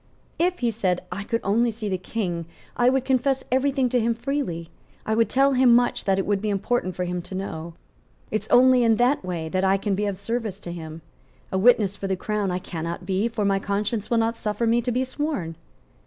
"If," he said, "I could only see the King, I would confess every thing to him freely. I would tell him much that it would be important for him to know. It is only in that way that I can be of service to him. A witness for the Crown I cannot be for my conscience will not suffer me to be sworn."